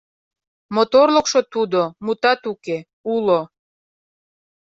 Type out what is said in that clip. Моторлыкшо тудо, мутат уке, уло.